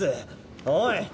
おい！